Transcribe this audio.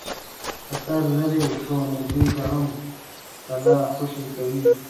خطر لیري شو نو دوی به هم قلا خوشي کوي.